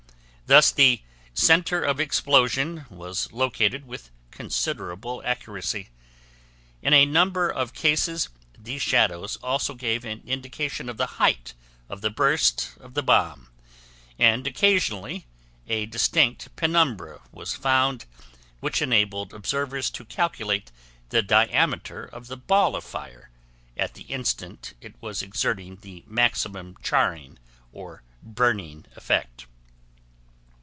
Thus the center of explosion was located with considerable accuracy. In a number of cases these "shadows" also gave an indication of the height of burst of the bomb and occasionally a distinct penumbra was found which enabled observers to calculate the diameter of the ball of fire at the instant it was exerting the maximum charring or burning effect.